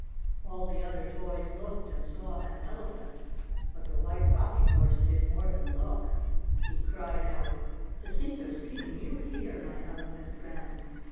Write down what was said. All the other toys looked, and saw an Elephant. But the White Rocking Horse did more than look. He cried out: "To think of seeing you here, my Elephant friend!